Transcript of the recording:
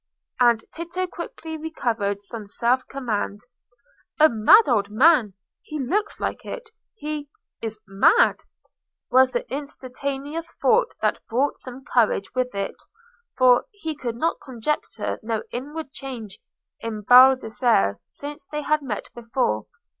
And Tito quickly recovered some self command. "A mad old man—he looks like it—he is mad!" was the instantaneous thought that brought some courage with it; for he could conjecture no inward change in Baldassarre since they had met before.